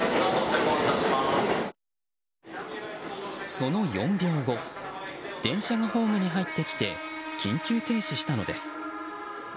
その４秒後電車がホームに入ってきて緊急停止したのです。